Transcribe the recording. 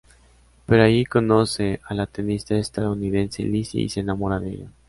Pero allí conoce a la tenista estadounidense Lizzie y se enamora de ella.